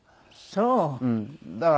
そう。